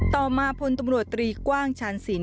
ต่อมาพลตมรตรีกว้างชันสิน